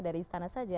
dari istana saja